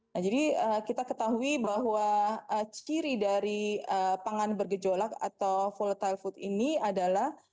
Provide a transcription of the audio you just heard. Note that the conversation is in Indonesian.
nah jadi kita ketahui bahwa ciri dari pangan bergejolak atau volatile food ini adalah